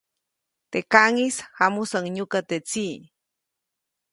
Teʼ kaʼŋis jamusäʼuŋ nyukä teʼ tsiʼ.